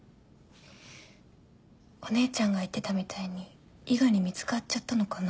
お姉ちゃんが言ってたみたいに伊賀に見つかっちゃったのかな？